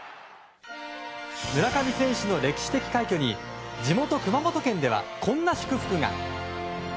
村上選手の歴史的快挙に地元・熊本県ではこんな祝福が。